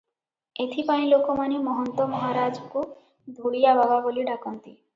ଏଥିପାଇଁ ଲୋକମାନେ ମହନ୍ତ ମହାରାଜାଙ୍କୁ ଧୂଳିଆ ବାବା ବୋଲି ଡାକନ୍ତି ।